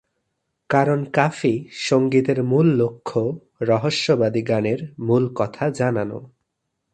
কারণ কাফি সংগীতের মূল লক্ষ্য রহস্যবাদী গানের মূল কথা জানানো।